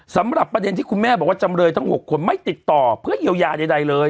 สำหรับประเด็นที่คุณแม่บอกว่าจำเลยทั้ง๖คนไม่ติดต่อเพื่อเยียวยาใดเลย